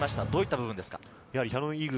どういった部分ですか？